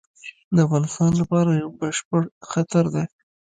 د افغانستان لپاره یو بشپړ خطر دی.